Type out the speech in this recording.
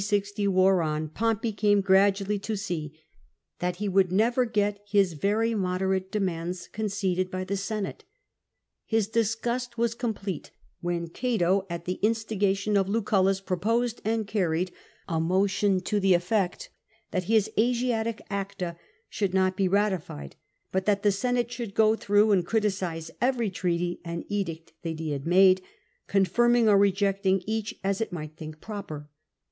60 wore on, Pompey came gradually to see that he would never get his very moderate demands conceded by the Senate. His disgust was complete when Cato, at the instigation of Lucullus, proposed, and carried, a motion to the effect that his Asiatic acla should not be ratified, but that the Senate should go through and criticise every treaty and edict that he had made, con firming or rejecting each as it might think proper.